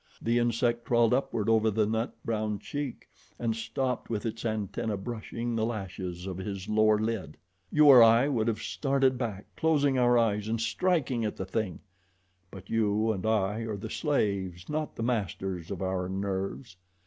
The insect crawled upward over the nut brown cheek and stopped with its antennae brushing the lashes of his lower lid. You or I would have started back, closing our eyes and striking at the thing; but you and I are the slaves, not the masters of our nerves.